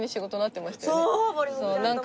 そう。